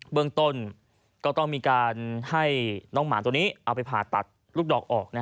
เบื้องต้นก็ต้องมีการให้น้องหมาตัวนี้เอาไปผ่าตัดลูกดอกออก